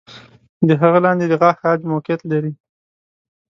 د هغه لاندې د غاښ عاج موقعیت لري.